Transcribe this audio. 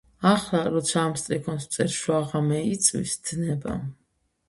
ახლა, როცა ამ სტრიქონს ვწერ, შუაღამე იწვის, დნება.